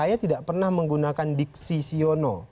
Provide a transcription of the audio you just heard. saya tidak pernah menggunakan diksi siono